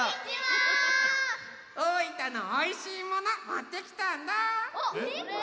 大分のおいしいものもってきたんだ。